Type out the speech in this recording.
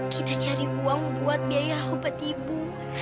kita cari uang buat biaya obat ibu